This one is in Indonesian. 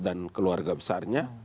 dan keluarga besarnya